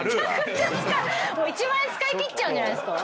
もう１万円使い切っちゃうんじゃないですか。